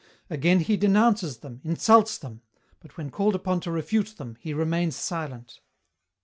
"Again he denounces them, insults them, but when called upon to refute them he remains silent.